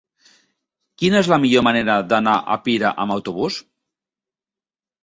Quina és la millor manera d'anar a Pira amb autobús?